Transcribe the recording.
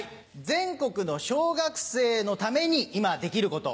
全国の小学生のために今できること。